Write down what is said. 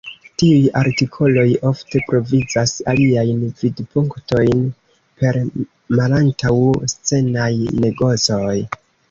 Tiuj artikoloj ofte provizas aliajn vidpunktojn per malantaŭ-scenaj negocoj.